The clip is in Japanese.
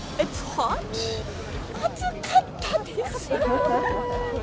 暑かったですよお。